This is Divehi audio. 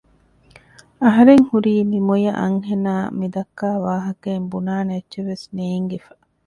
އަހަރެން ހުރީ މި މޮޔަ އަންހެނާ މިދައްކާ ވާހައިން ބުނާނެ އެއްޗެއްވެސް ނޭންގިފަ